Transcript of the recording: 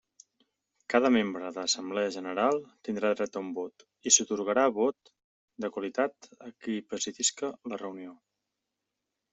Cada membre de l'assemblea general tindrà dret a un vot, i s'atorgarà vot de qualitat a qui presidisca la reunió.